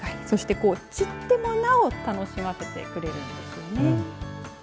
そして散ってもなお楽しませてくれるんですね。